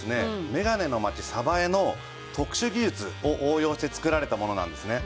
メガネの街江の特殊技術を応用して作られたものなんですね。